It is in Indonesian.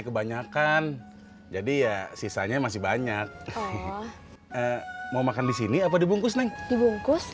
kebanyakan jadi ya sisanya masih banyak mau makan di sini apa dibungkus naik dibungkus